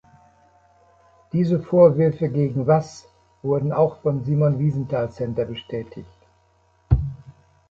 Diese Vorwürfe gegen Wass wurden auch vom Simon Wiesenthal Center bestätigt.